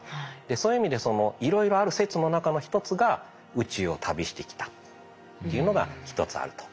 そういう意味でいろいろある説の中の一つが宇宙を旅してきたというのが一つあると。